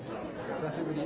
久しぶり。